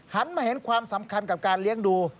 มาเห็นความสำคัญกับการเลี้ยงดู